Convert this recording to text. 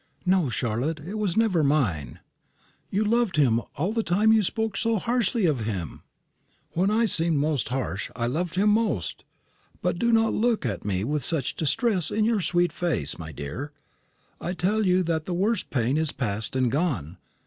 "No, Charlotte, it was never mine." "You loved him all the time you spoke so harshly of him!" "When I seemed most harsh, I loved him most. But do not look at me with such distress in your sweet face, my dear. I tell you that the worst pain is past and gone.